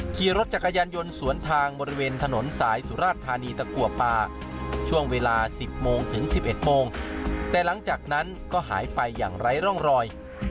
ขี่รถจักรยานยนต์สวนทางบริเวณถนนสายสุราชธานีตะกัวป่าช่วงเวลา๑๐โมงถึง๑๑โมงแต่หลังจากนั้นก็หายไปอย่างไร้ร่องรอย